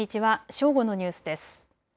正午のニュースです。